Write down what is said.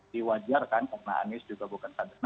diwajarkan karena aneh juga bukan aneh